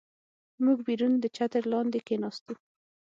موږ بیرون د چتر لاندې کېناستو.